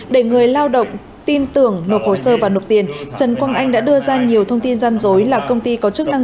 để người lao động tin tưởng nộp hồ sơ và nộp tiền trần quang anh đã đưa ra nhiều thông tin gian dối là công ty có chức năng